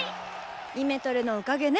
イメトレのおかげね。